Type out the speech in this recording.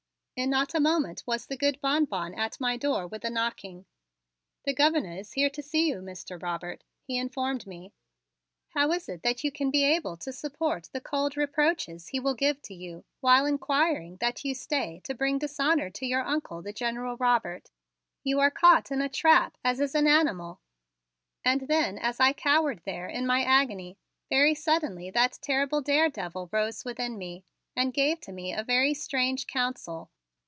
In not a moment was the good Bonbon at my door with a knocking. "The Governor is here to see you, Mr. Robert," he informed me. "What shall you do, Roberta, Marquise of Grez and Bye?" I asked of myself. "How is it that you can be able to support the cold reproaches he will give to you while requiring that you stay to bring dishonor to your Uncle, the General Robert? You are caught in a trap as is an animal." And then as I cowered there in my agony, very suddenly that terrible daredevil rose within me and gave to me a very strange counsel.